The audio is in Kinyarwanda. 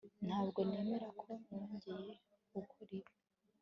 Ntabwo nemera ko nongeye gukora ibi